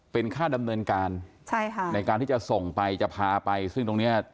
เป็นค่าดำเนินการใช่ค่ะในการที่จะส่งไปจะพาไปซึ่งตรงเนี้ย